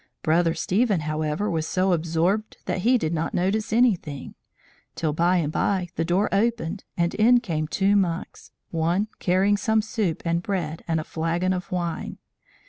Brother Stephen, however, was so absorbed that he did not notice anything; till, by and by, the door opened, and in came two monks, one carrying some soup and bread and a flagon of wine.